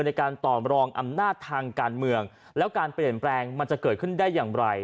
ในการตอบรองอำนาจทางการเมืองแล้วการเปลี่ยนแปลงมันจะเกิดขึ้นได้อย่างไร